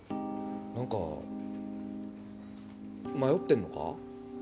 何か迷ってるのか？